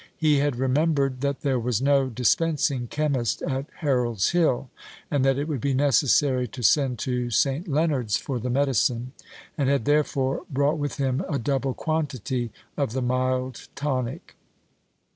He had remembered that there was no dispensing chemist at Harold's Hill, and that it would be necessary to send to St. Leonards for the medicine, and had therefore brought with him a double quantity of the mild tonic.